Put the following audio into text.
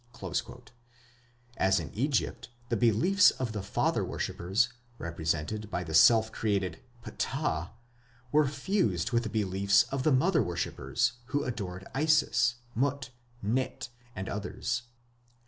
" As in Egypt, the beliefs of the father worshippers, represented by the self created Ptah, were fused with the beliefs of the mother worshippers, who adored Isis, Mut, Neith, and others.